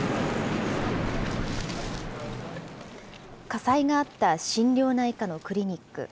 火災があった心療内科のクリニック。